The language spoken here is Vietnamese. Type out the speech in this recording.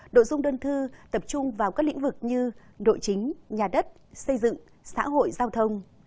nội dung đơn thư tập trung vào các lĩnh vực như nội chính nhà đất xây dựng xã hội giao thông